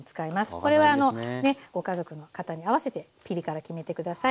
これはご家族の方に合わせてピリ辛決めて下さい。